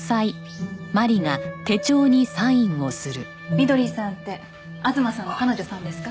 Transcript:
みどりさんって東さんの彼女さんですか？